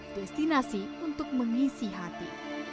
destinasi untuk mengisi hati